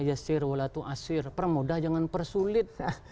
yesir walatu asir permudah jangan persulit